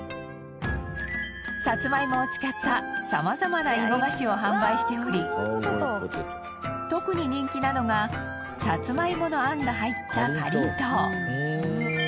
さつまいもを使ったさまざまないも菓子を販売しており特に人気なのがさつまいもの餡が入ったかりんとう。